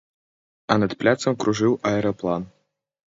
А над пляцам кружыў аэраплан.